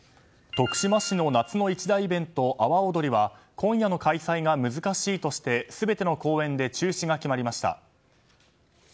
徳島市の夏の一大イベント阿波おどりは今夜の開催が難しいとして全ての公演で中止が決まりました。